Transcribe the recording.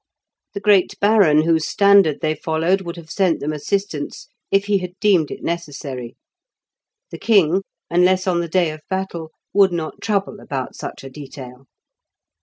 The great baron whose standard they followed would have sent them assistance if he had deemed it necessary. The king, unless on the day of battle, would not trouble about such a detail.